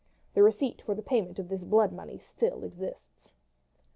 The receipt for the payment of this blood money still exists.